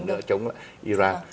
để chống lại iran